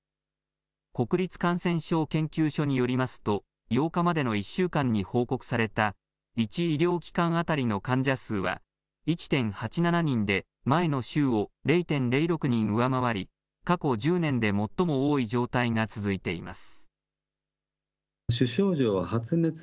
国立感染症研究所によりますと、８日までの１週間に報告された、１医療機関当たりの患者数は１．８７人で前の週を０．０６人上回り、過去１０年で最も多い状態が続いています。